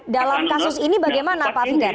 dalam kasus ini bagaimana pak fikri